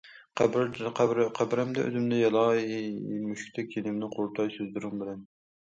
قەبرەمدە ئۆزۈمنى يالاي مۈشۈكتەك جېنىمنى قۇرۇتاي سۆزلىرىڭ بىلەن.